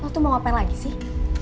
lo tuh mau apa lagi sih